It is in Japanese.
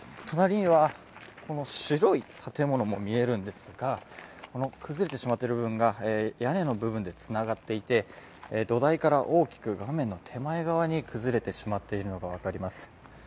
隣には白い建物も見えるんですが崩れてしまっている部分が、屋根の部分でつながっていて土台から大きく画面の手前側に崩れてしまっているのが分かります。